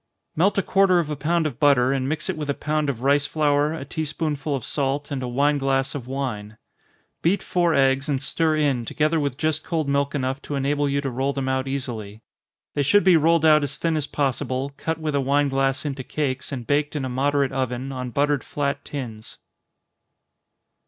_ Melt a quarter of a pound of butter, and mix it with a pound of rice flour, a tea spoonful of salt, and a wine glass of wine. Beat four eggs, and stir in, together with just cold milk enough to enable you to roll them out easily. They should be rolled out as thin as possible, cut with a wine glass into cakes, and baked in a moderate oven, on buttered flat tins.